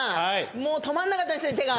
もう止まらなかったですね手が。